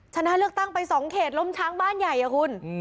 ชนะเลือกตั้งไป๒เขตล้มช้างบ้านใหญ่อะคุณ